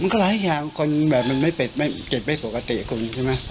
มันก็อะไรอย่างคนแบบไม่เจ็บแบบปกติกับคนใช่ไหม